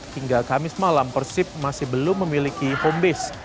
hingga kamis malam persib masih belum memiliki homebase